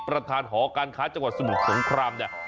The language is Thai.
ประธานหอการค้าจังหวัดสมุทรสงครามเนี่ย